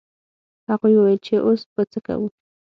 هغوی وویل چې اوس به څه کوو.